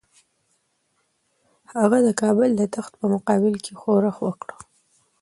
هغه د کابل د تخت په مقابل کې ښورښ وکړ.